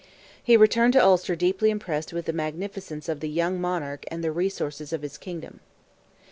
He returned to Ulster deeply impressed with the magnificence of the young monarch and the resources of his kingdom.